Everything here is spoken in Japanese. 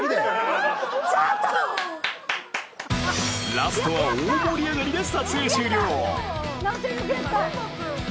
ラストは大盛り上がりで撮影終了